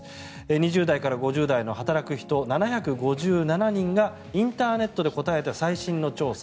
２０代から５０代の働く人７５７人がインターネットで答えた最新の調査。